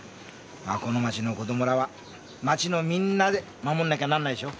この町の子供らは町のみんなで守んなきゃなんないでしょ。